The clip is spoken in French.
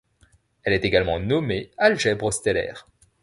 Elle est également nommée algèbre stellaire.